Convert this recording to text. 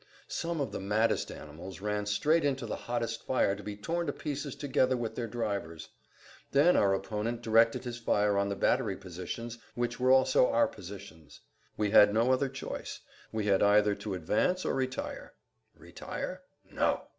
Some of the maddest animals ran straight into the hottest fire to be torn to pieces together with their drivers. Then our opponent directed his fire on the battery positions which were also our positions. We had no other choice—we had either to advance or retire. Retire? No!